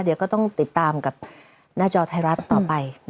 เดี๋ยวก็ต้องติดตามกับหน้าจอไทยรัฐต่อไป